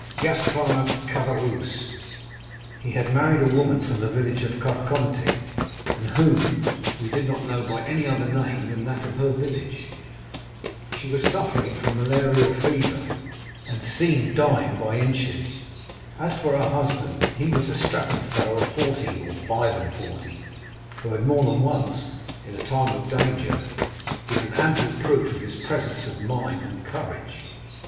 "Gaspard Caderousse; he had married a woman from the village of Carconte, and whom we did not know by any other name than that of her village. She was suffering from malarial fever, and seemed dying by inches. As for her husband, he was a strapping fellow of forty, or five and forty, who had more than once, in time of danger, given ample proof of his presence of mind and courage."